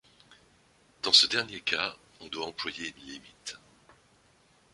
Dans ce dernier cas, on doit employer une limite.